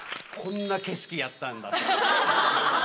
こんな景色やったんや。